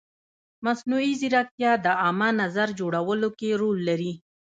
مصنوعي ځیرکتیا د عامه نظر جوړولو کې رول لري.